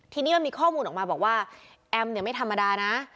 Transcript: ทีนี้มันมีข้อมูลออกมาบอกว่าแอมเนี่ยไม่ธรรมดานะ